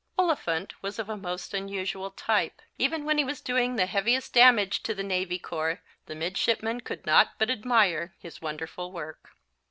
Oliphant was of a most unusual type. Even when he was doing the heaviest damage to the Navy Corps the midshipmen could not but admire his wonderful work.